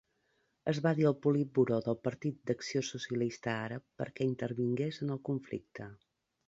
Es va dir al politburó del Partit d'Acció Socialista Àrab perquè intervingués en el conflicte.